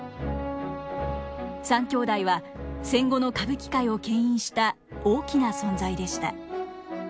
三兄弟は戦後の歌舞伎界をけん引した大きな存在でした。